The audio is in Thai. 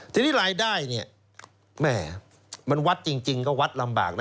ทีนี้รายได้เนี่ยแม่มันวัดจริงก็วัดลำบากนะ